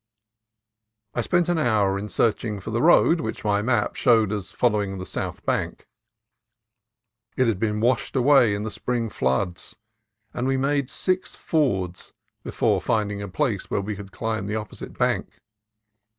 I spent an hour in searching for the road which my map showed as following the south bank. It had been washed away in the spring floods, and we made six fords before finding a place where we could climb the opposite bank.